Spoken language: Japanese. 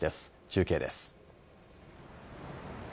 中継です。